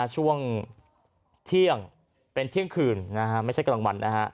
ช่วงเที่ยงเป็นเที่ยงคืนไม่ใช่กลางวัน